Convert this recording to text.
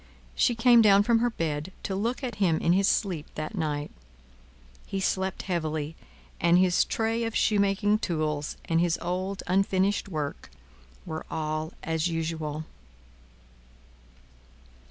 She came down from her bed, to look at him in his sleep that night. He slept heavily, and his tray of shoemaking tools, and his old unfinished work, were all as usual.